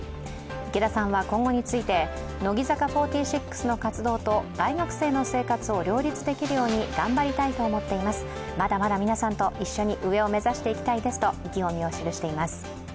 池田さんは今後について、乃木坂４６の活動と大学生の生活を両立できるように頑張りたいと思っています、まだまだ皆さんと一緒に上を目指していきたいですと意気込みを記しています。